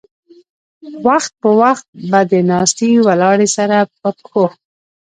وخت پۀ وخت به د ناستې ولاړې سره پۀ پښو